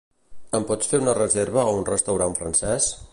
Ens pots fer una reserva a un restaurant francès?